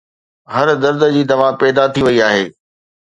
هر درد جي دوا پيدا ٿي وئي آهي